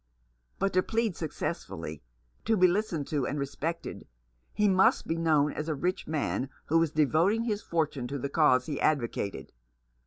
But to plead successfully, to be listened to and respected, he must be known as a rich man who was devoting his fortune to the cause he advocated.